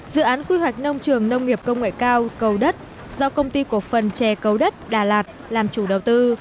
dự án quy hoạch nông trường nông nghiệp công nghệ cao cầu đất do công ty cộng phần chè cầu đất đà lạt làm chủ đầu tư